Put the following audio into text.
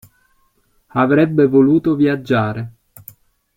Avrebbe voluto viaggiare.